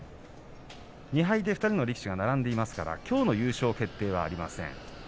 ２敗で２人の力士が並んでいますからきょうの優勝決定はありません。